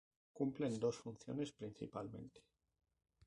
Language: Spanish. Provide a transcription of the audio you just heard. Cumplen dos funciones principalmente.